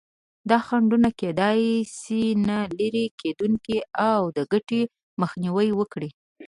دا خنډونه کېدای شي نه لرې کېدونکي او د ګټې مخنیوی وکړي.